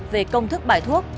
về công thức bài thuốc